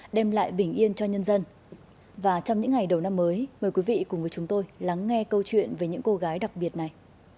đem lại bình yên cho nhân dân và trong những ngày đầu năm mới mời quý vị cùng với chúng tôi lắng nghe câu chuyện về những cô gái đặc biệt này